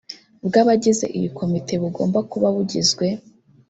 bw abagize iyi komite bugomba kuba bugizwe